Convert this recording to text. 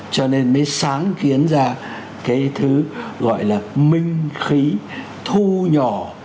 cho nên mới sáng kiến ra cái thứ gọi là minh khí thu nhỏ